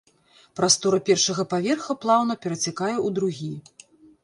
Прастора першага паверха плаўна перацякае ў другі.